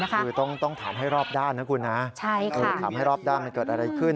คือต้องถามให้รอบด้านนะคุณนะถามให้รอบด้านมันเกิดอะไรขึ้น